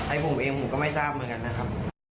ผมเองผมก็ไม่ทราบเหมือนกันนะครับ